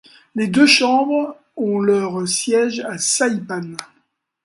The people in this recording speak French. Les deux chambres ont leurs sièges à Saipan.